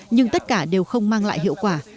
nhưng tất cả đều không mang lại hiệu quả